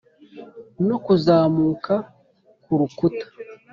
no kuzamuka kurukuta